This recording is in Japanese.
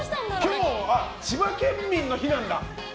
今日、千葉県民の日なんだ！